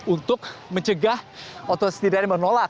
untuk mencegah atau setidaknya menolak